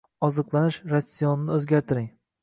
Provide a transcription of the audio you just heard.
Oziqlanish rasionini o`zgartiring